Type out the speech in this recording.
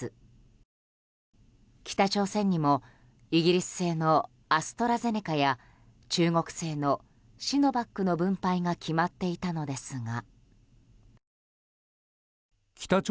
北朝鮮にもイギリス製のアストラゼネカや中国製のシノバックの分配が決まっていたのですが。